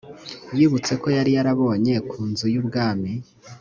yibutse ko yari yarabonye ku nzu y ubwami